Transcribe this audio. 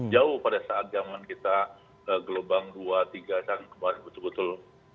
jauh pada saat zaman kita gelombang dua tiga dan kemarin betul betul